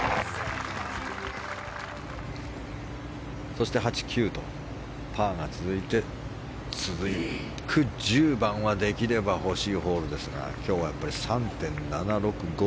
そして８、９とパーが続いて続く１０番はできれば欲しいホールですが今日は３．７６５。